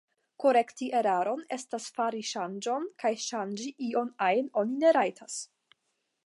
Korekti eraron estas fari ŝanĝon, kaj ŝanĝi ion ajn oni ne rajtas.